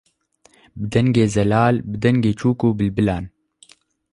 bi dengê zelal, bi dengê çûk û bilbilan